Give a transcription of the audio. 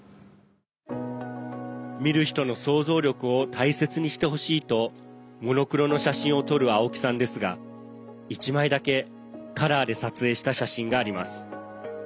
見る人の想像力を大切にしてほしいとモノクロの写真を撮る青木さんですが１枚だけ、カラーで撮影した写真があります。